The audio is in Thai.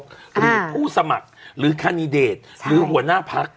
หรือผู้สมัครหรือแคนดิเดตหรือหัวหน้าพัก